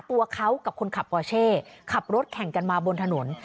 ตัวเขากับคนขับปอเช่ขับรถแข่งกันมาบนถนน